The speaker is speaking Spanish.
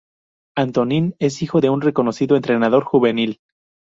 Antonín es hijo de un reconocido entrenador juvenil.